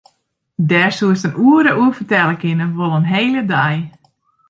Dêr soest in oere oer fertelle kinne, wol in hele dei.